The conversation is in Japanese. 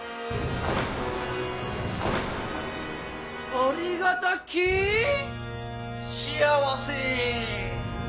ありがたき幸せ。